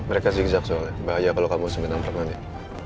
mereka zigzag soalnya bahaya kalau kamu sempet ngamperin dia